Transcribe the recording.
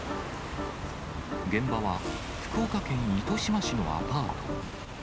現場は、福岡県糸島市のアパート。